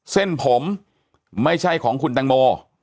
เส้นผมไม่ใช่ของคุณตังโม